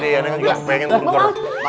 nengeng juga pengen burger